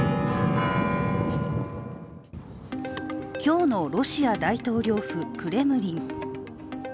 今日のロシア大統領府・クレムリン。